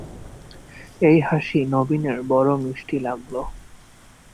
এই হাসি নবীনের বড়ো মিষ্টি লাগল।